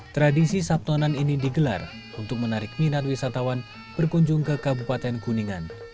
tradisi sabtonan ini digelar untuk menarik minat wisatawan berkunjung ke kabupaten kuningan